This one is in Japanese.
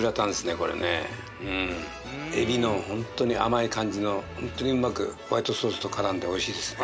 これね海老のホントに甘い感じのホントにうまくホワイトソースと絡んでおいしいですね